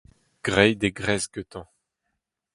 graet e gresk gantañ